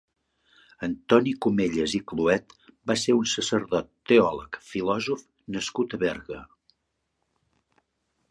Antoni Comellas i Cluet va ser un sacerdot, teòleg, filòsof nascut a Berga.